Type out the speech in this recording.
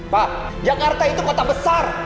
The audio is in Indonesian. pak jakarta itu kota besar